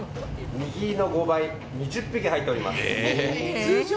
握りの５倍、２０匹入っております。